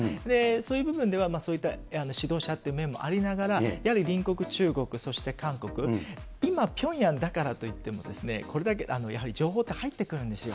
そういう部分では、そういった指導者っていう面もありながら、やはり隣国、中国、そして韓国、今、ピョンヤンだからといっても、これだけやはり情報って入ってくるんですよ。